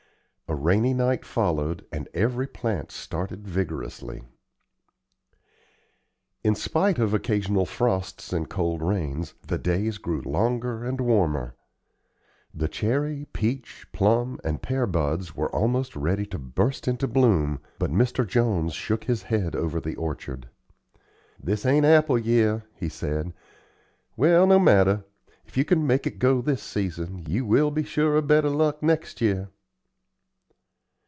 A rainy night followed, and every plant started vigorously. In spite of occasional frosts and cold rains, the days grew longer and warmer. The cherry, peach, plum, and pear buds were almost ready to burst into bloom, but Mr. Jones shook his head over the orchard. "This ain't apple year," he said. "Well, no matter. If you can make it go this season, you will be sure of better luck next year."